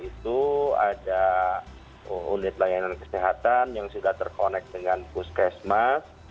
itu ada unit layanan kesehatan yang sudah terkonek dengan puskesmas